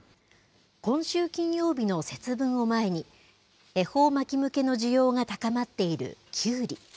今週金曜日の節分を前に、恵方巻き向けの需要が高まっているきゅうり。